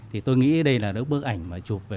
thì tôi nghĩ đây là những bức ảnh mà chụp về